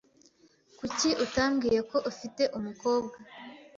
Kuki utambwiye ko afite umukobwa?